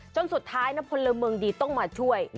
จนสุดท้ายนะพลเมืองดีต้องมาช่วย